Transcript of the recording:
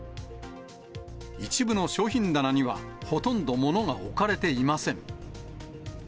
一部の商品棚には、ほとんどものが置かれていません。